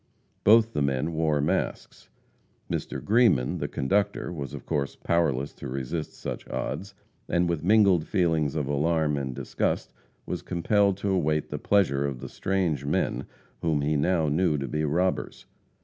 Both the men wore masks. Mr. Greeman, the conductor, was of course powerless to resist such odds, and with mingled feelings of alarm and disgust was compelled to await the pleasure of the strange men whom he now knew to be robbers.